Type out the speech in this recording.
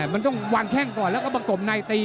มันต้องวางแข้งก่อนแล้วก็ประกบในตี